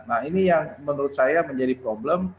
nah ini yang menurut saya menjadi problem